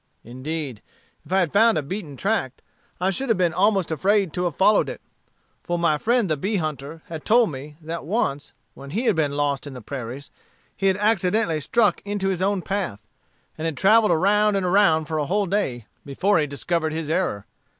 Indeed, if I had found a beaten tract, I should have been almost afraid to have followed it; for my friend the bee hunter had told me, that once, when he had been lost in the prairies, he had accidentally struck into his own path, and had travelled around and around for a whole day before he discovered his error.